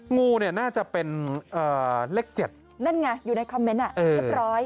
งูเนี่ยน่าจะเป็นเลข๗นั่นไงอยู่ในคอมเมนต์เรียบร้อย